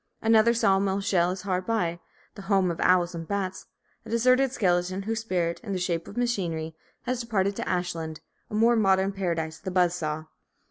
Another saw mill shell is hard by, the home of owls and bats, a deserted skeleton, whose spirit, in the shape of machinery, has departed to Ashland, a more modern paradise of the buzz saw.